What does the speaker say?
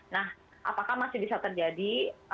nah apakah masih bisa terjadi